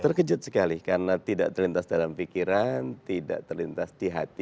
terkejut sekali karena tidak terlintas dalam pikiran tidak terlintas di hati